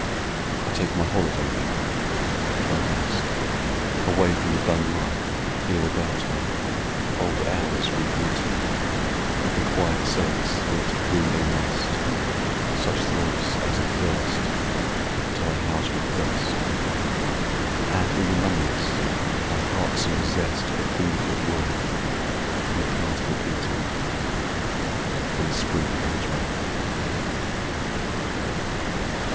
I take my holiday then and my rest Away from the dun life here about me, Old hours re greeting With the quiet sense that bring they must Such throbs as at first, till I house with dust, And in the numbness my heartsome zest For things that were, be past repeating When spring comes round.